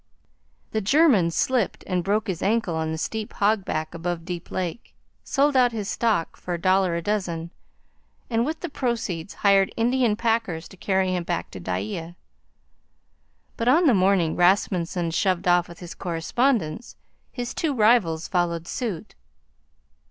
The German slipped and broke his ankle on the steep hogback above Deep Lake, sold out his stock for a dollar a dozen, and with the proceeds hired Indian packers to carry him back to Dyea. But on the morning Rasmunsen shoved off with his correspondents, his two rivals followed suit.